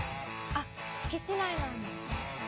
あっ敷地内なんだ。